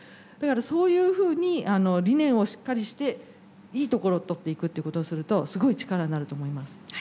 そういうふうに理念をしっかりしていいところを取っていくってことをするとすごい力になると思います。